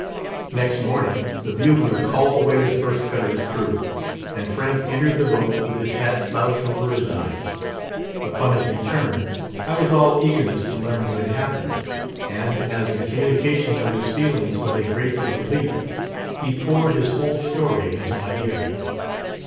Next morning the bugler called away the First Cutter's crew, and Frank entered the boat with his hat slouched over his eyes. Upon his return, I was all eagerness to learn what had happened, and, as the communication of his feelings was a grateful relief, he poured his whole story into my ear.